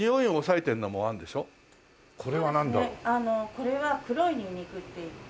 これは黒いニンニクっていって。